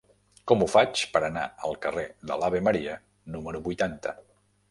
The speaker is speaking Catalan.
Com ho faig per anar al carrer de l'Ave Maria número vuitanta?